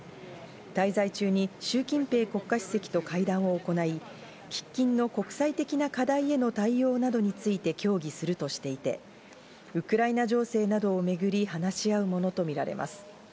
滞在中にシュウ・キンペイ国家主席と会談を行い、喫緊の国際的な課題への対応などについて協議するとしていて、ウクライナ情勢などをめぐり、話し合うものとみられます。